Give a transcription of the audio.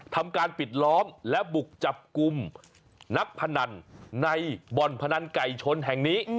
ทำการปิดล้อมและบุกจับกลุ่มนักพนันในบ่อนพนันไก่ชนแห่งนี้